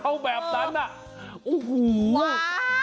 เออเย่าแบบนั้นอ่ะโอ้โหว้าว